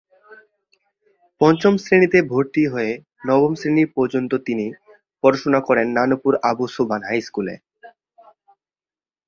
পঞ্চম শ্রেণীতে ভর্তি হয়ে নবম শ্রেণী পর্যন্ত তিনি পড়াশুনা করেন নানুপুর আবু সোবহান হাই স্কুলে।